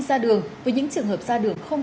ra đường với những trường hợp ra đường không